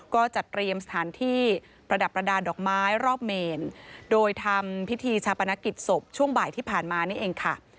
ก็จัดเตรียมสถานที่ประดับประดาษดอกไม้รอบเมนโดยทำพิธีชาปนกิจศพช่วงบ่ายที่ผ่านมานี่เองค่ะ